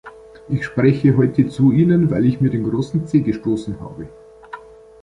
Ich spreche heute zu Ihnen, weil ich mir den großen Zeh gestoßen habe.